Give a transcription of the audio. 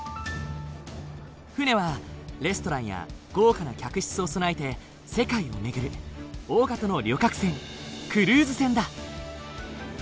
船はレストランや豪華な客室を備えて世界を巡る大型の旅客船クルーズ船だ。